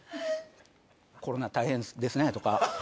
「コロナ大変ですね」とか。